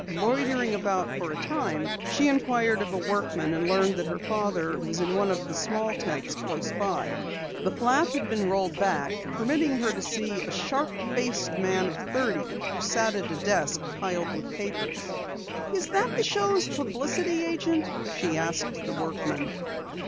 Loitering about for a time, she inquired of a workman and learned that her father was in one of the small tents close by. The flap had been rolled back, permitting her to see a sharp faced man of thirty who sat at a desk piled with papers. "Is that the show's publicity agent?" she asked the workman.